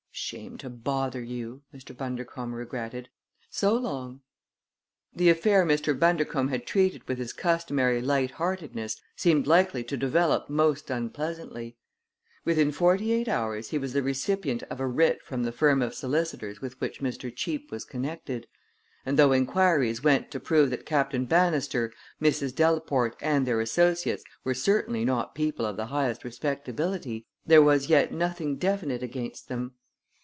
"Shame to bother you," Mr. Bundercombe regretted. "So long!" The affair Mr. Bundercombe had treated with his customary light heartedness seemed likely to develop most unpleasantly. Within forty eight hours he was the recipient of a writ from the firm of solicitors with which Mr. Cheape was connected; and, though inquiries went to prove that Captain Bannister, Mrs. Delaporte and their associates were certainly not people of the highest respectability, there was yet nothing definite against them.